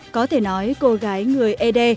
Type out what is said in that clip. có thể nói cô gái người ed